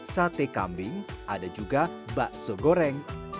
sate kambing ada juga bakso goreng